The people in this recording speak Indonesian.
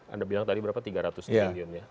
anda bilang tadi berapa tiga ratus triliun ya